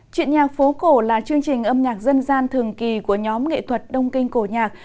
chuyện nhạc phố cổ là chương trình âm nhạc dân gian thường kỳ của nhóm nghệ thuật đông kinh cổ nhạc